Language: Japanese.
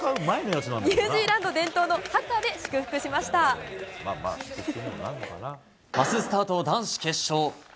マススタート男子決勝。